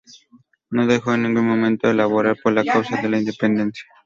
No dejó en ningún momento de laborar por la causa de la independencia.